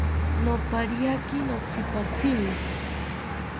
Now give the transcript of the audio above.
Nopariaki notzipatzimi